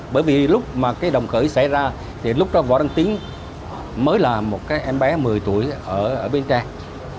bởi vì lúc mà cái đồng khởi xảy ra thì lúc đó võ đăng tín mới là một cái em bé một mươi tuổi ở bên trang